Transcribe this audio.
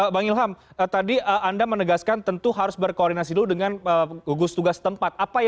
bang ilham tadi anda menegaskan tentu harus berkoordinasi dulu dengan gugus tugas tempat